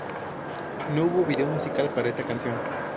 No hubo video musical para esta canción.